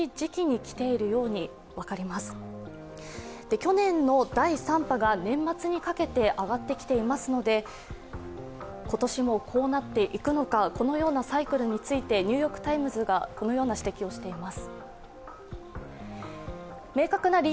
去年の第３波が年末にかけて上がってきていますので、今年もこうなっていくのか、このようなサイクルについて「ニューヨーク・タイムズ」がこのような指摘をしています。